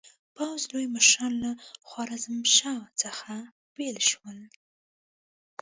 پوځ لوی مشران له خوارزمشاه څخه بېل شول.